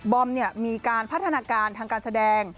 อมมีการพัฒนาการทางการแสดง